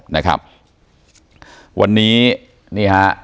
นะครับวันนี้นี่ฮะ